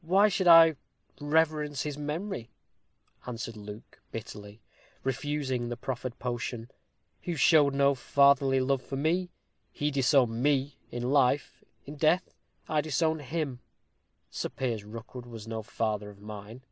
"Why should I reverence his memory," answered Luke, bitterly, refusing the proffered potion, "who showed no fatherly love for me? He disowned me in life: in death I disown him. Sir Piers Rookwood was no father of mine."